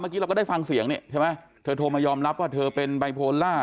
เราก็ได้ฟังเสียงนี่ใช่ไหมเธอโทรมายอมรับว่าเธอเป็นไบโพล่า